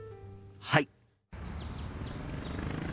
はい！